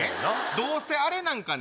どうせあれなんかね